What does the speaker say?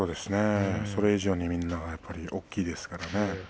それ以上にみんな大きいですからね。